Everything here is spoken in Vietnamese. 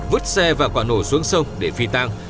vứt xe và quả nổ xuống sông để phi tang